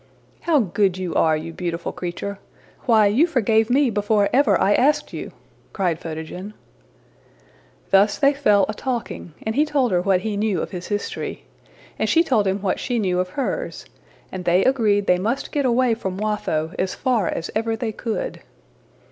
'' ``How good you are, you beautiful creature! Why, you forgave me before ever I asked you!'' cried Photogen. Thus they fell a talking, and he told her what he knew of his history, and she told him what she knew of hers, and they agreed they must get away from Watho as far as ever they could.